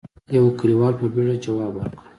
يوه کليوال په بيړه ځواب ورکړ: